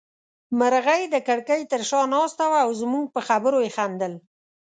مرغۍ د کړکۍ تر شا ناسته وه او زموږ په خبرو يې خندل.